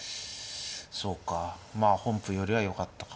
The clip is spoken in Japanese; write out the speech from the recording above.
そうかまあ本譜よりはよかったか。